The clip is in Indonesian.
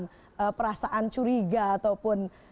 ada perasaan curiga ataupun